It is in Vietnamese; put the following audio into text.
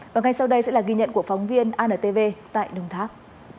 và ngay sau đây sẽ là ghi nhận của phóng viên antv tại đồng tháp